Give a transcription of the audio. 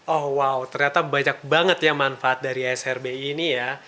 oh wow ternyata banyak banget ya manfaat dari srbi ini ya